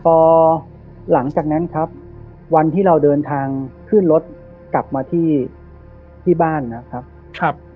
พอหลังจากนั้นครับวันที่เราเดินทางขึ้นรถกลับมาที่บ้านนะครับ